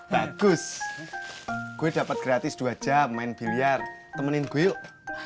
bagus gue dapat gratis dua jam main biliar temenin gue yuk